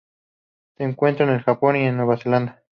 Se encuentra en el Japón y Nueva Zelanda.